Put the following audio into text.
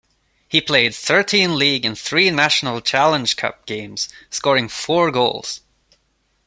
He played thirteen league and three National Challenge Cup games, scoring four goals.